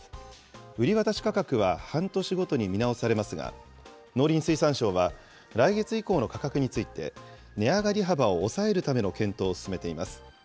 売り渡し価格は半年ごとに見直されますが、農林水産省は、来月以降の価格について、値上がり幅を抑えるための検討を進めています。